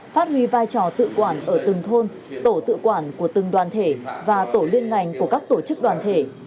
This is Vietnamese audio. phát huy vai trò tự quản ở từng thôn tổ tự quản của từng đoàn thể và tổ liên ngành của các tổ chức đoàn thể